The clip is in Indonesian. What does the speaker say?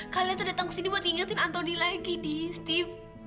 kalian tak datang ke sini main ingetin anthony lagi steve